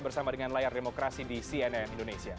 bersama dengan layar demokrasi di cnn indonesia